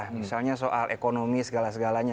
misalnya soal ekonomi segala segalanya